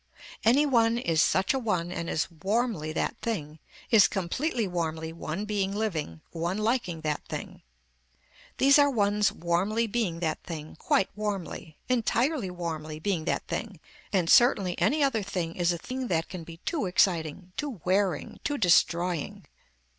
Any one is such a one and is warmly that thing, is completely warmly one being living, one liking that thing. These are ones warmly being that thing, quite warmly, entirely warmly being that thing and certainly any other thing is a thing that can be too exciting, too wearing, too destroying.